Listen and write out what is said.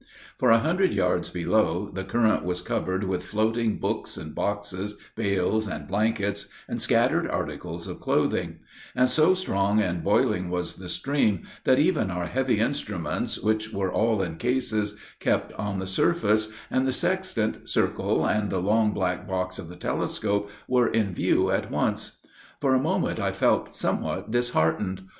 For a hundred yards below, the current was covered with floating books and boxes, bales and blankets, and scattered articles of clothing; and so strong and boiling was the stream, that even our heavy instruments, which were all in cases, kept on the surface, and the sextant, circle, and the long, black box of the telescope, were in view at once. For a moment, I felt somewhat disheartened.